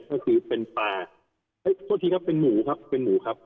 ก็คือเป็นปลาโทษทีครับเป็นหมูครับเป็นหมูครับ